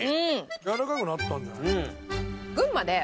やわらかくなったんじゃない。